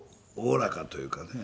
おおらかというかね。